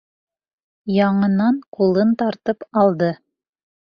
Яңынан ҡулын тартып алды.